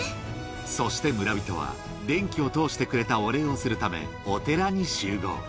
そして村人は、電気を通してくれたお礼をするため、お寺に集合。